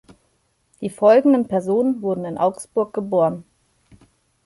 Die folgenden Personen wurden in Augsburg geboren.